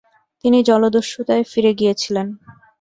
তিনি জলদস্যুতায় ফিরে গিয়েছিলেন।